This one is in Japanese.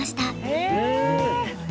へえ！